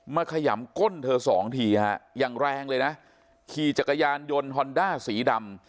ขยำก้นเธอสองทีฮะอย่างแรงเลยนะขี่จักรยานยนต์ฮอนด้าสีดำ